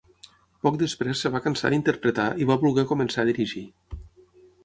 Poc després es va cansar d'interpretar i va voler començar a dirigir.